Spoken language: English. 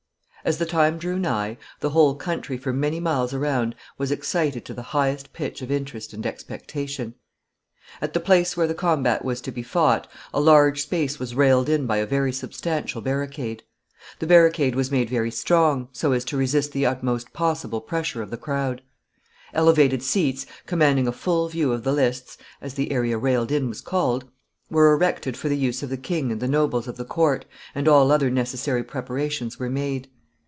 As the time drew nigh, the whole country for many miles around was excited to the highest pitch of interest and expectation. [Sidenote: The company assemble.] [Sidenote: The combatants appear.] At the place where the combat was to be fought a large space was railed in by a very substantial barricade. The barricade was made very strong, so as to resist the utmost possible pressure of the crowd. Elevated seats, commanding a full view of the lists, as the area railed in was called, were erected for the use of the king and the nobles of the court, and all other necessary preparations were made.